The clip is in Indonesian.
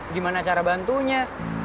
gimana cara bantunya